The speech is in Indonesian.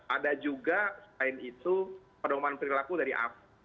ada juga selain itu perdoman perilaku dari ap